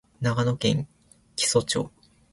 長野県木曽町